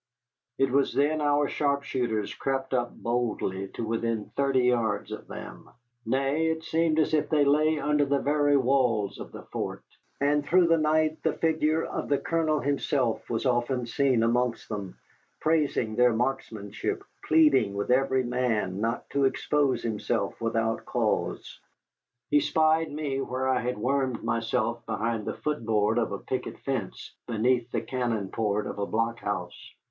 It was then our sharpshooters crept up boldly to within thirty yards of them nay, it seemed as if they lay under the very walls of the fort. And through the night the figure of the Colonel himself was often seen amongst them, praising their markmanship, pleading with every man not to expose himself without cause. He spied me where I had wormed myself behind the foot board of a picket fence beneath the cannon port of a blockhouse.